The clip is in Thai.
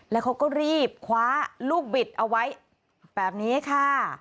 แล้วเขาก็รีบคว้าลูกบิดเอาไว้แบบนี้ค่ะ